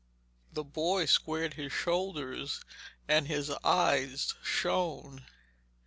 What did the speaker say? The boy squared his shoulders, and his eyes shone.